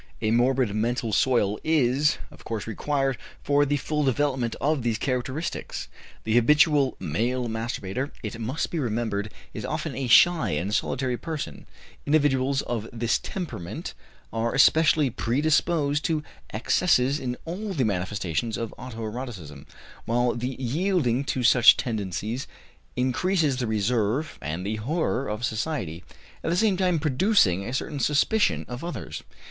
A morbid mental soil is, of course, required for the full development of these characteristics. The habitual male masturbator, it must be remembered, is often a shy and solitary person; individuals of this temperament are especially predisposed to excesses in all the manifestations of auto erotism, while the yielding to such tendencies increases the reserve and the horror of society, at the same time producing a certain suspicion of others.